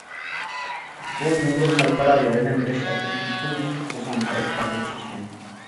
بۇ، جۇڭگو خەلقئارا ياردەم بېرىش ئەترىتى تۇنجى قۇتقۇزغان ھايات قالغۇچى ئىكەن.